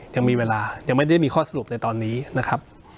ยังมีเวลายังไม่ได้มีข้อสรุปในตอนนี้นะครับ